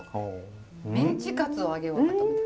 メンチカツを揚げようかと思って。